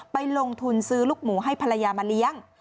ไปลงทุนซื้อลูกหมูให้ภรรยามาเลี้ยง